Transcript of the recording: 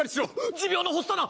持病の発作だ！